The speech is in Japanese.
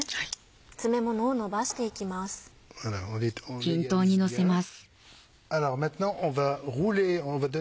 詰めものをのばして行きます。